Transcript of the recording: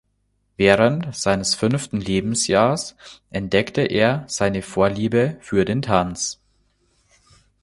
Während seines fünften Lebensjahres entdeckte er seine Vorliebe für den Tanz.